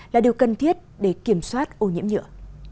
là điều cần thiết để kiểm soát ô nhiễm nhựa